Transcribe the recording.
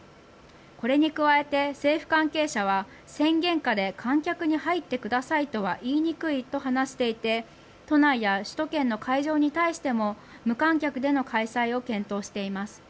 これに加えて政府関係者は宣言下で観客に入ってくださいとは言いにくいと話していて都内や首都圏の会場に対しても無観客での開催を検討しています。